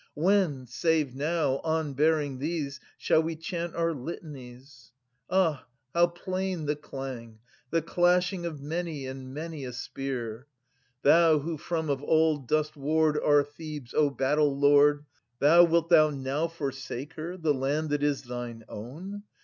When, save now, on bearing these, shall we chant our litanies ? Ah ! how plain the clang !— the clashing of many and many a spear ! Thou, who from of old dost ward our Thebes, O Battle lord, Thou, wilt thou now forsake her, the land that is thine own